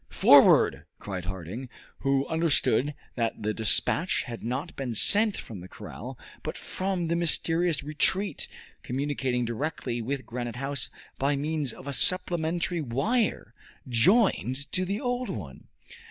"Forward!" cried Harding, who understood that the despatch had not been sent from the corral, but from the mysterious retreat, communicating directly with Granite House by means of a supplementary wire joined to the old one.